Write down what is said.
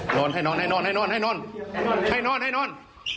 เช่นเดียวกัน